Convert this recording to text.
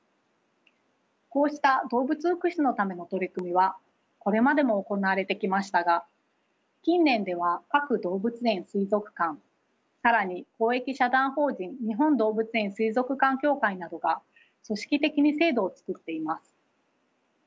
こうした動物福祉のための取り組みはこれまでも行われてきましたが近年では各動物園水族館更に公益社団法人日本動物園水族館協会などが組織的に制度を作っています。